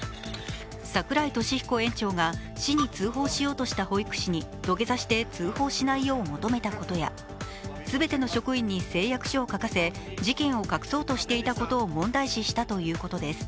櫻井利彦園長が市に通報しようとした保育士に土下座して通報しないよう求めたことや、全ての職員に誓約書を書かせ、事件を隠そうとしていたことを問題視したということです。